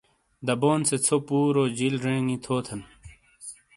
دبون سے ژھو پُورو جیل زینگی تھوتن!